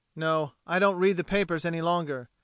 No, I don't read the papers any longer.